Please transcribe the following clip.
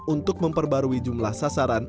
untuk memperbarui jumlah sasaran